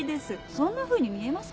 そんなふうに見えますか？